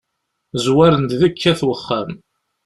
Zwaren-d deg-k at uxxam.